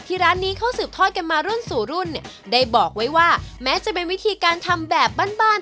ร้านนี้เขาสืบทอดกันมารุ่นสู่รุ่นเนี่ยได้บอกไว้ว่าแม้จะเป็นวิธีการทำแบบบ้านบ้าน